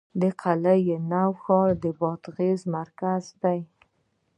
د قلعه نو ښار د بادغیس مرکز دی